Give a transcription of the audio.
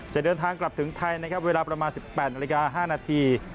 จะเดินทางกลับถึงไทยนะครับเวลาประมาณ๑๘นาฬิกา๕นาที